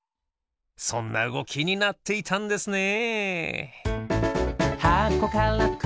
そんなうごきになっていたんですね。